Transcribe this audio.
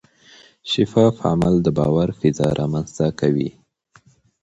شفاف عمل د باور فضا رامنځته کوي.